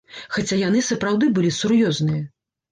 Хаця яны сапраўды былі сур'ёзныя.